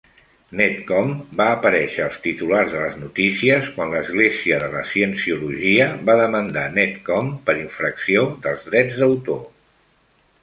Netcom va aparèixer als titulars de les notícies quan l"Església de la Cienciologia va demandar Netcom per infracció del drets d"autor.